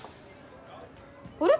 あれ！？